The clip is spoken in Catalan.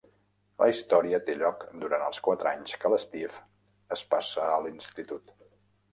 La història té lloc durant els quatre anys que l'Steve es passa a l'institut.